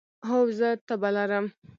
هو، زه تبه لرم